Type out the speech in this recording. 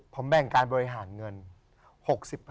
ผมแบ่งการบริหารเงิน๖๐